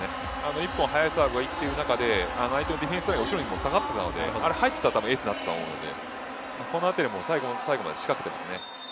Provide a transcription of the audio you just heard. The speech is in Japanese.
１本速いサーブがいっている中で相手のディフェンスラインが後ろに下がっていたので入っていたらエースだったのでこのあたりも最後まで仕掛けてますね。